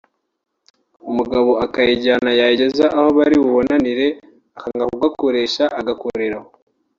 umugabo akayijyana yayigeza aho bari bubonanire akanga kugakoresha agakorera aho